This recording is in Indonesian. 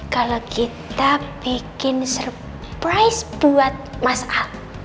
kalau kita bikin surprise buat mas al tapi surprise apa ya